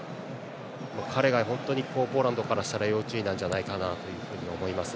彼が本当にポーランドからしたら要注意なんじゃないかと思います。